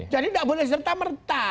jadi gak boleh serta merta